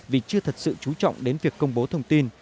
vì chưa thật sự chú trọng đến việc công bố thông tin